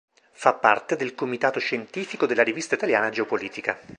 Fa parte del Comitato Scientifico della rivista italiana "Geopolitica".